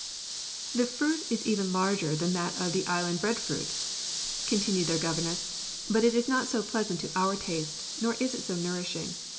"The fruit is even larger than that of the island bread fruit," continued their governess, "but it is not so pleasant to our taste, nor is it so nourishing.